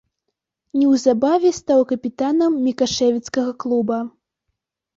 Неўзабаве стаў капітанам мікашэвіцкага клуба.